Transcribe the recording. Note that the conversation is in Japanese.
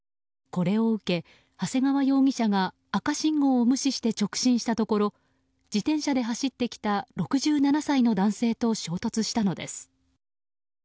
これを受け、長谷川容疑者が赤信号を無視して直進したところ自転車で走ってきた６７歳の男性と衝突したのです。